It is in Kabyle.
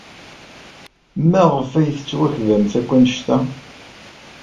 Maɣef ay tettwakbamt akk anect-a?